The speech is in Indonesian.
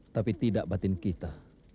tapi tidak batin kita